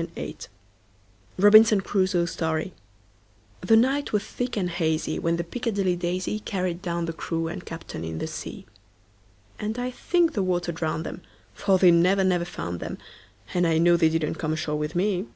Carryl1841–1920 Robinson Crusoe's Story THE NIGHT was thick and hazyWhen the "Piccadilly Daisy"Carried down the crew and captain in the sea; And I think the water drowned 'em; For they never, never found 'em, And I know they didn't come ashore with me.